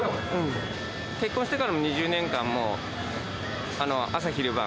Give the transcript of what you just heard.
結婚してからの２０年間も朝昼晩、